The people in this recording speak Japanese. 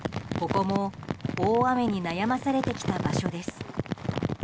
ここも、大雨に悩まされてきた場所です。